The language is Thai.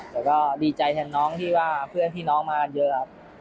แต่ก็ดีใจให้น้องที่ว่าเพื่อนที่น้องมาเยอะครับตอนที่น้องเอาดอกไม้ไปหวาน